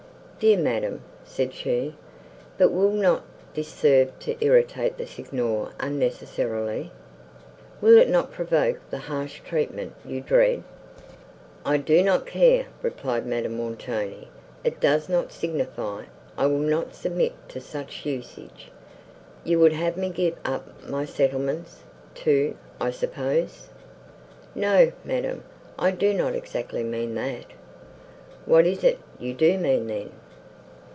"Dear madam," said she, "but will not this serve to irritate the Signor unnecessarily? will it not provoke the harsh treatment you dread?" "I do not care," replied Madame Montoni, "it does not signify: I will not submit to such usage. You would have me give up my settlements, too, I suppose!" "No, madam, I do not exactly mean that." "What is it you do mean then?"